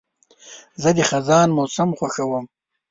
زه د خزان موسم خوښوم.